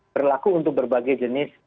berlaku untuk berbagai jenis